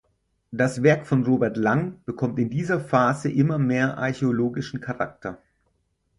Das Werk von Robert Lang bekommt in dieser Phase immer mehr archäologischen Charakter.